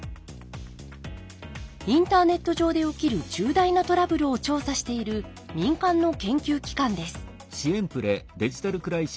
インターネット上で起きる重大なトラブルを調査している民間の研究機関です。